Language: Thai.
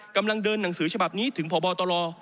กำลังเดินหนังสือฉบับนี้ถึงพบตร